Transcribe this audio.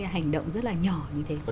hành động rất là nhỏ như thế